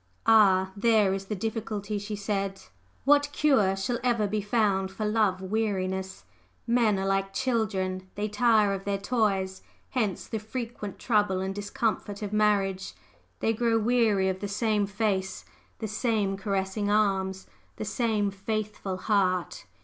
"Ah, there is the difficulty!" she said. "What cure shall ever be found for love weariness? Men are all like children they tire of their toys; hence the frequent trouble and discomfort of marriage. They grow weary of the same face, the same caressing arms, the same faithful heart!